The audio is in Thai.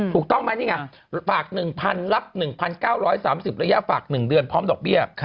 ถูกต้องไหมนี่ไงฝาก๑๐๐๐รับ๑๙๓๐ระยะฝาก๑เดือนพร้อมดอกเบี้ย